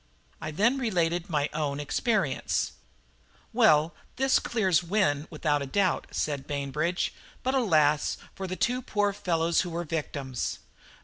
I then related my own experience. "Well, this clears Wynne, without doubt," said Bainbridge; "but alas! for the two poor fellows who were victims.